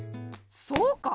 そうか！